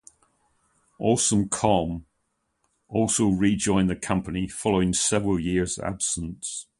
Awesome Kong also re-joined the company following several years of absence.